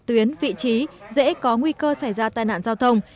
tuyến vị trí dễ có nguy cơ xảy ra tai nạn giao thông